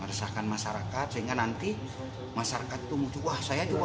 meresahkan masyarakat sehingga nanti masyarakat itu menurut saya